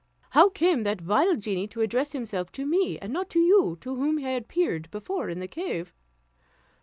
How came that vile genie to address himself to me, and not to you, to whom he had appeared before in the cave?"